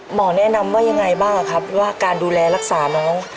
หมอแนะนำว่ายังไงบ้างครับว่าการดูแลรักษาน้อง